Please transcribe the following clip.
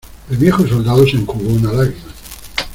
el viejo soldado se enjugó una lágrima.